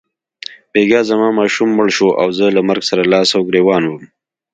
بیګا زما ماشوم مړ شو او زه له مرګ سره لاس او ګرېوان وم.